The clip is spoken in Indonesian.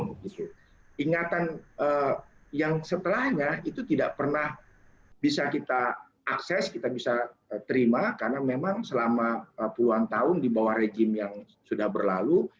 jadi ingatan yang setelahnya itu tidak pernah bisa kita akses kita bisa terima karena memang selama puluhan tahun di bawah rejim yang sudah berlalu